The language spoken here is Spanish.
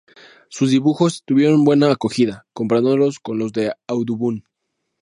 Sus dibujos tuvieron buena acogida, comparándolos con los de Audubon.